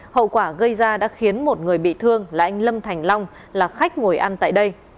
hậu quả gây ra đã khiến một người bị thương là anh lâm thành long là khách ngồi ăn tại đây